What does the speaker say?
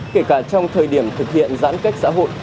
kể cả trong thời điểm thực hiện giãn cách xã hội